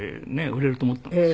売れると思ったんです。